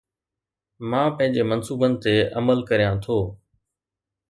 مان پنهنجي منصوبن تي عمل ڪريان ٿو